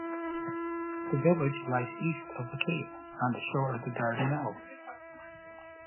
The village lies east of the cape, on the shore of the Dardanelles.